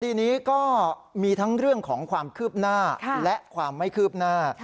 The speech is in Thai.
คดีนี้ก็มีทั้งเรื่องของความคืบหน้าและความไม่คืบหน้า